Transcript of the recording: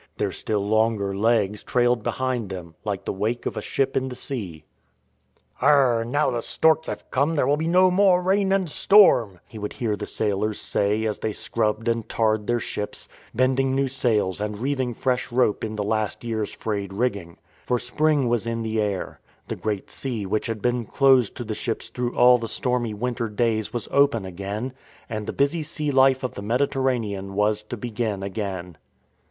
Their still longer legs trailed behind them, like the wake of a ship in the sea. 17 18 PROLOGUE " Now the storks have come there will be no more rain and storm," he would hear the sailors say as they scrubbed and tarred their ships, bending new sails and reeving fresh rope in last year's frayed rig ging. For spring was in the air. The Great Sea which had been closed to the ships through all the stormy winter days was open again, and the busy sea life of the Mediterranean was to begin again.